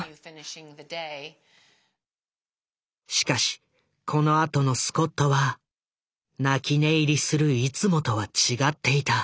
しかしこのあとのスコットは泣き寝入りするいつもとは違っていた。